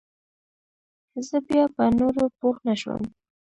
زه بيا په نورو پوه نسوم.